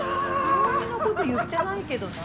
そんなこと言ってないけどなぁ。